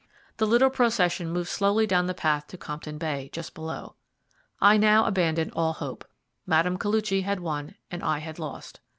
The little procession moved slowly down the path to Compton Bay, just below. I now abandoned all hope. Mme. Koluchy had won, and I had lost.